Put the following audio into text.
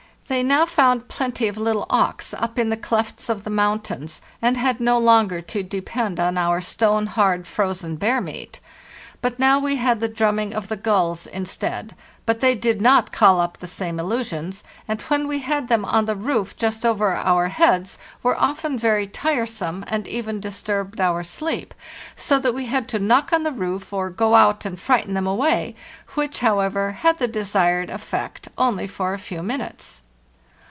They now found plenty of little auks up in the clefts of the mountains, and had no longer to depend on our stone hard frozen bear meat. But now we had the drumming of the gulls instead; but they did not call up the same illusions, and, when we had them on the roof just over our heads, were often very tiresome, and even disturbed our sleep, so that we had to knock on the roof or go out and frighten them away, which, however, had the desired effect only for a few minutes.